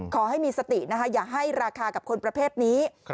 ขอให้มีสตินะคะอย่าให้ราคากับคนประเภทนี้